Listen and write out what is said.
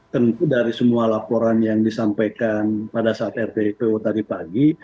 tentu dari semua laporan yang disampaikan pada saat rpp tadi pagi